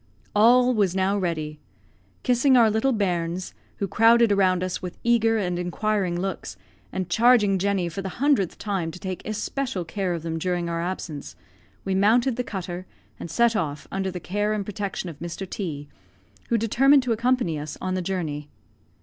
All was now ready. Kissing our little bairns, who crowded around us with eager and inquiring looks, and charging Jenny for the hundredth time to take especial care of them during our absence, we mounted the cutter, and set off, under the care and protection of Mr. T , who determined to accompany us on the journey.